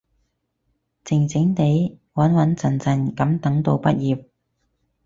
靜靜哋，穩穩陣陣噉等到畢業